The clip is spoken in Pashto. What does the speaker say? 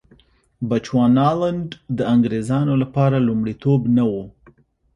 بچوانالنډ د انګرېزانو لپاره لومړیتوب نه و.